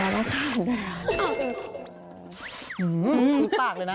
ขาดได้นะแต่แทนแล้วต้องขาดได้